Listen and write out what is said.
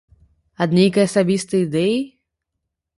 Ад нейкай асабістай ідэі?